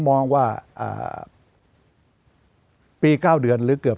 จะพิจารณาคม